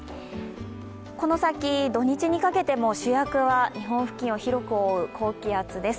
この先、土日にかけても主役は日本付近を広く覆う高気圧です。